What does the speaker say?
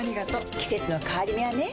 季節の変わり目はねうん。